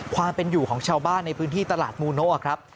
ความเป็นอยู่ของชาวบ้านในพื้นที่ตลาดมูโน่ครับ